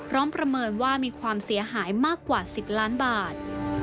ประเมินว่ามีความเสียหายมากกว่า๑๐ล้านบาท